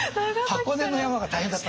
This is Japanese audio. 箱根の山が大変だった。